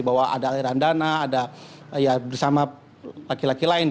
bahwa ada aliran dana ada ya bersama laki laki lain